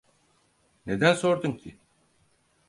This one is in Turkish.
Neden sordun ki?